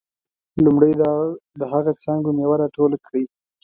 لومړی د هغه څانګو میوه راټوله کړئ.